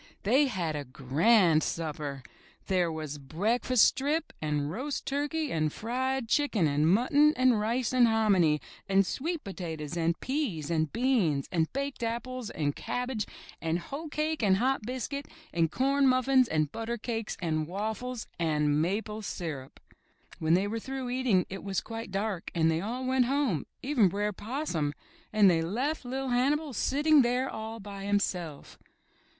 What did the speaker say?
They had a grand supper. There was breakfast strip, and roast turkey, and fried chicken, and mutton, and rice and hominy, and sweet potatoes, and peas, and beans, and baked apples, and cabbage, and hoe cake and hot biscuit, and corn muffins, and butter cakes, and waffles, and maple syrup. When they were through eating it was quite dark, and they all went home, even Br'er Possum, and they left LiT Hannibal sitting there all by himself.